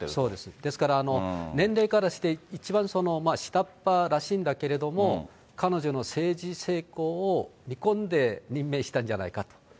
ですから年齢からして一番下っ端らしいんだけれども、彼女の政治成功を見込んで任命したんじゃないか。